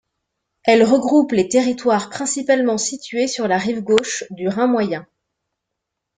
Elle regroupe les territoires principalement situés sur la rive gauche du Rhin moyen.